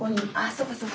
そうかそうか。